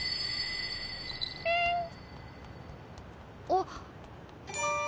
あっ！